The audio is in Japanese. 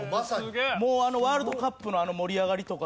もうあのワールドカップの盛り上がりとかの。